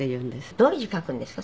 どういう字書くんですか？